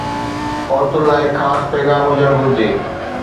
عورتن لاء هڪ خاص پيغام هجڻ گهرجي